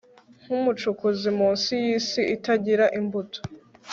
nkumucukuzi munsi yisi itagira imbuto